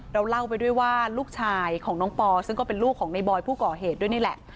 เราเล่าไปด้วยว่าลูกชายของน้องปอซึ่งก็เป็นลูกของในบอยผู้ก่อเหตุด้วยนี่แหละ